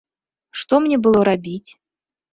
Што мне было рабіць?